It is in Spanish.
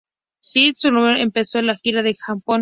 Cyndi Lauper empezó la gira en Japón.